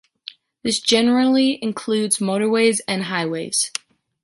This generally includes motorways and highways.